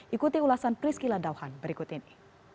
ikuti ulasan prisky ladauhan berikut ini